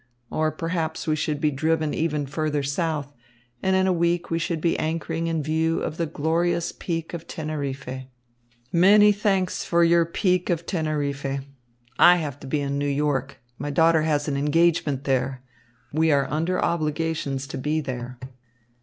Or, perhaps, we should be driven even further south, and in a week we should be anchoring in view of the glorious Peak of Teneriffe." "Many thanks for your Peak of Teneriffe. I have to be in New York. My daughter has an engagement there. We are under obligations to be there."